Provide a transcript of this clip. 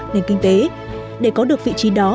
nền kinh tế để có được vị trí đó